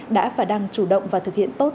đã và đang chủ động và thực hiện tốt